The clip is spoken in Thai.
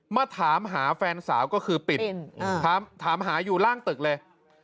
มาถามหาแฟนสาวก็คือปิดถามหาอยู่ล่างตึกเลย